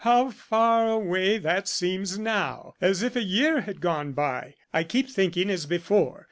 How far away that seems now as if a year had gone by! I keep thinking as before!